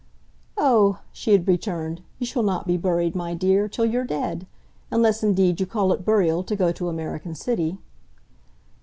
"Oh," she had returned, "you shall not be buried, my dear, till you're dead. Unless indeed you call it burial to go to American City."